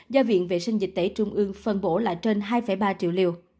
do viện vệ sinh dịch tễ trung ương phân bổ là trên hai ba triệu liều